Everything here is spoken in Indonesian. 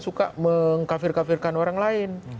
suka mengkafir kafirkan orang lain